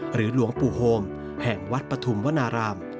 หลวงปู่โฮมแห่งวัดปฐุมวนาราม